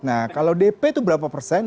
nah kalau dp itu berapa persen